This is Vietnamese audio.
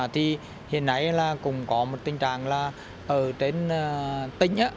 thì hiện nay là cũng có một tình trạng là ở trên tỉnh